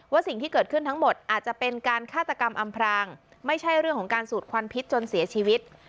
สิ่งที่เกิดขึ้นทั้งหมดอาจจะเป็นการฆาตกรรมอำพรางไม่ใช่เรื่องของการสูดควันพิษจนเสียชีวิต